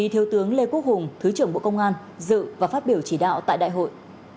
thiếu tướng lê quốc hùng thứ trưởng bộ công an dự và phát biểu chỉ đạo tại đại hội